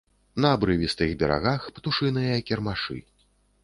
На абрывістых берагах птушыныя кірмашы.